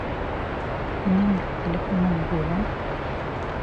Һинең бит телефоның булған!